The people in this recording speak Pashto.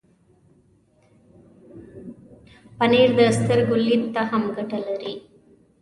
پنېر د سترګو لید ته هم ګټه لري.